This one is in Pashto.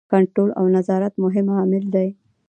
کنټرول او نظارت مهم عامل دی.